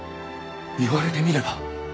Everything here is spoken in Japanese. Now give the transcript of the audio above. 言われてみれば。